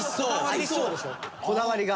ありそうでしょこだわりが。